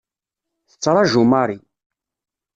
Tettraǧu Mary.